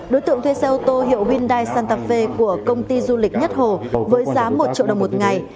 đối tượng thuê xe ô tô hiệu hyundai santa của công ty du lịch nhất hồ với giá một triệu đồng một ngày